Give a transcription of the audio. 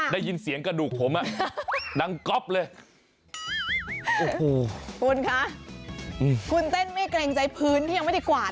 ได้ยินเสียงกระดูกผมนั่งก๊อบเลย